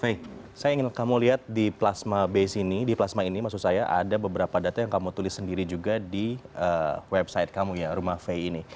fay saya ingin kamu lihat di plasma base ini di plasma ini maksud saya ada beberapa data yang kamu tulis sendiri juga di website kamu ya rumah fay ini